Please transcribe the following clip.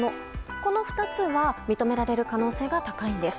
この２つは認められる可能性が高いんです。